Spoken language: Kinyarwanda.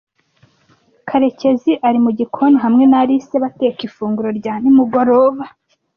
Karekezi ari mu gikoni hamwe na Alice bateka ifunguro rya nimugoroba.